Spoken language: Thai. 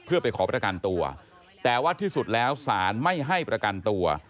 เพื่อไปขอประกันตัวแต่ว่าที่สุดแล้วสารไม่ให้ประกันตัว